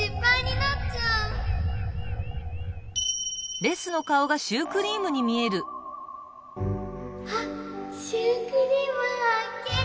あっシュークリームはっけん！